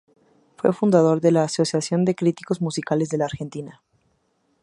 Fue fundador de la asociación de" Críticos Musicales de la Argentina".